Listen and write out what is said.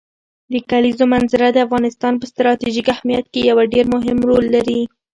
د کلیزو منظره د افغانستان په ستراتیژیک اهمیت کې یو ډېر مهم رول لري.